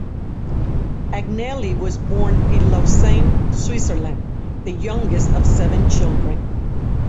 Agnelli was born in Lausanne, Switzerland, the youngest of seven children.